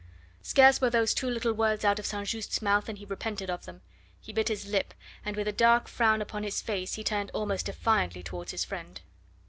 Scarce were those two little words out of St. Just's mouth than he repented of them. He bit his lip, and with a dark frown upon his face he turned almost defiantly towards his friend.